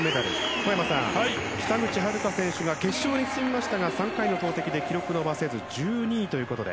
小山さん、北口榛花選手が決勝に進みましたが３回の投てきで記録伸ばせず１２位ということで。